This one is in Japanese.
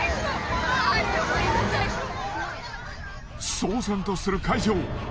騒然とする会場。